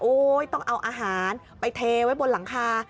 ต้องเอาอาหารไปเทไว้บนหลังคา